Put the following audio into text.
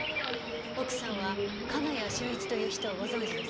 奥さんは金谷俊一という人をご存じですか？